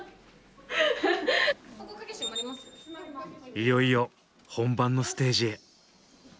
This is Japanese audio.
いよいよ本番のステージへ。